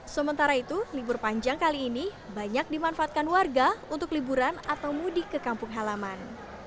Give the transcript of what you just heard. sementara itu libur panjang kali ini banyak dimanfaatkan warga untuk liburan atau mudik ke kampung halaman